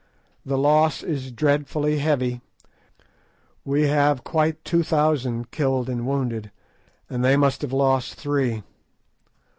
The loss is dreadfully heavy; we have quite two thousand killed and wounded, and they must have lost three.